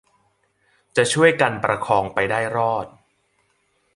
จะช่วยกันประคองไปได้รอด